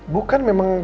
bukan memang beneran ya